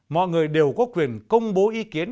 mọi người đều có quyền công bố ý kiến